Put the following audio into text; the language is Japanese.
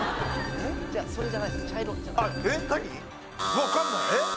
わかんない。